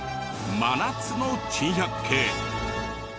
真夏の珍百景。